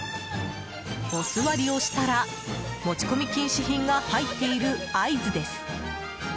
おすわりをしたら持ち込み禁止品が入っている合図です。